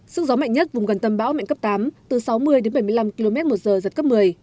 sức gió mạnh nhất vùng gần tâm bão mạnh cấp tám từ sáu mươi đến bảy mươi năm km một giờ giật cấp một mươi